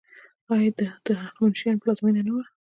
آیا دا د هخامنشیانو پلازمینه نه وه؟